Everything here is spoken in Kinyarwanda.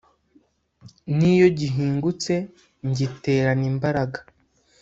N'iyo gihingutse ngiterana imbaraga,